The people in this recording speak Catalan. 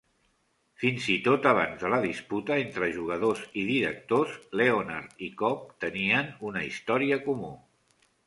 Fins i tot abans de la disputa entre jugadors i directors, Leonard i Cobb tenien una història comú.